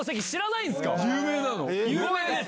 有名です。